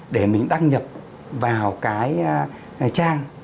để mình đăng nhập vào cái trang